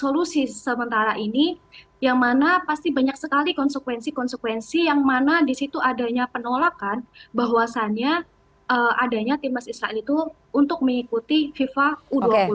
solusi sementara ini yang mana pasti banyak sekali konsekuensi konsekuensi yang mana di situ adanya penolakan bahwasannya adanya timnas israel itu untuk mengikuti fifa u dua puluh